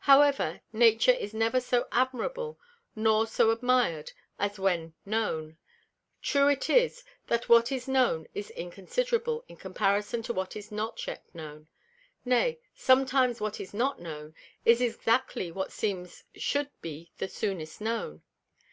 However, Nature is never so admirable, nor so admir'd as when known. True it is, that what is known is inconsiderable in comparison of what is not yet known. Nay, Sometimes what is not known, is exactly what seems shou'd be the soonest known.